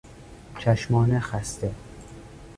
چشمان خسته